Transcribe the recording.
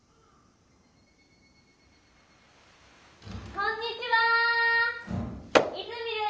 ・・こんにちはー。